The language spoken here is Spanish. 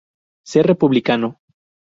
Ser republicano.